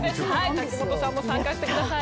瀧本さんも参加してください。